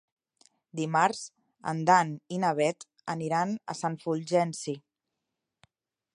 Dimarts en Dan i na Bet aniran a Sant Fulgenci.